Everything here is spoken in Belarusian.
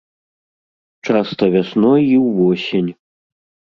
Часта вясной і ўвосень.